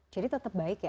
jadi tetap baik ya